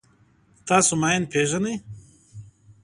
تاسو ماین پېژنئ.